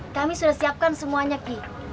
kami sudah siapkan semuanya key